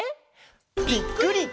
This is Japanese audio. ぴっくり！